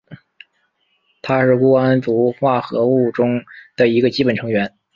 它是钴胺族化合物中的一个基本成员。